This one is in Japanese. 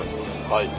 はい。